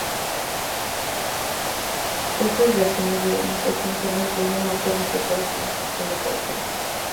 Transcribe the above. Estas versiones de demostración sólo incluyen mapas destacados y la selección de caracteres.